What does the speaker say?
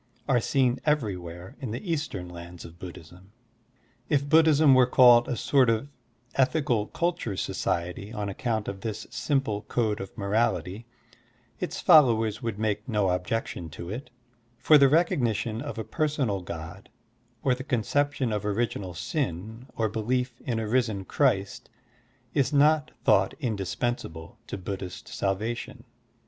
are seen every where in the Eastern lands of Buddhism. If Buddhism were called a sort of ethical culture society on accoimt of this simple code of morality, its followers would make no objection to it, for the recognition of a personal God, or the concep tion of original sin, or belief in a risen Christ is not thought indispensable to Buddhist salvation.